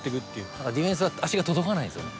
だからディフェンスは足が届かないんですよね